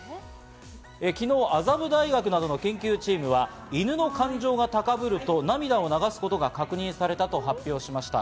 昨日、麻布大学などの研究チームは犬の感情が高ぶると涙を流すことが確認されたと発表しました。